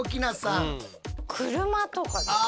車とかですか？